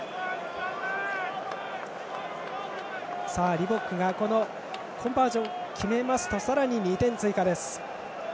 リボックがこのコンバージョンを決めますとさらに２点追加です。